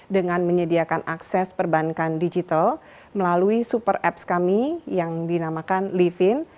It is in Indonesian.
dengan menyediakan akses perbankan digital melalui super apps kami yang dinamakan livin